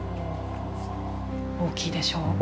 大きいでしょ？